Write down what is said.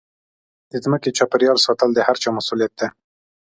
د ځمکې چاپېریال ساتل د هرچا مسوولیت دی.